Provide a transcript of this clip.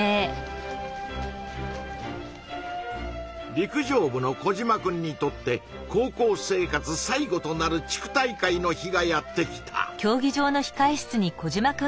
陸上部のコジマくんにとって高校生活最後となる地区大会の日がやって来た。